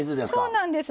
そうなんです。